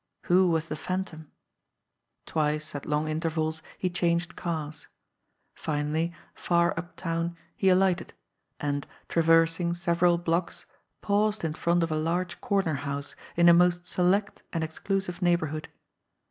Who was the Phantom? Twice, at long intervals, he changed cars. Finally, far uptown, he alighted, and, traversing several blocks, paused in front of a large corner house in a most select and exclu sive neighbourhood.